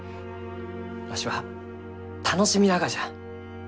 わしは楽しみながじゃ。